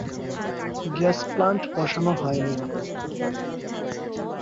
Gas plant বসানো হয়নি।